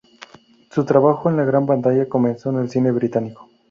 Su trabajo en la gran pantalla comenzó en el cine británico.